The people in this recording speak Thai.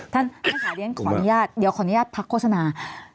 ท่านพาเลียนขออนุญาตพรักโฆษณา